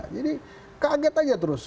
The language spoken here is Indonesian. jadi kaget aja terus